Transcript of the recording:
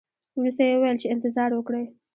ورسته یې وویل چې انتظار وکړئ.